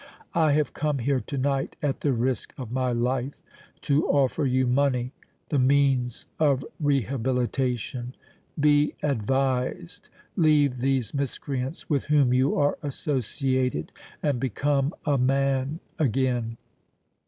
"I have come here to night at the risk of my life to offer you money, the means of rehabilitation. Be advised. Leave these miscreants with whom you are associated and become a man again!"